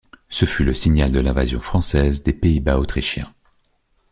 Ce fut le signal de l'invasion française des Pays-Bas autrichiens.